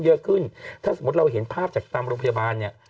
เยอะขึ้นถ้าสมมุติเราเห็นภาพจากตามโรงพยาบาลเนี่ย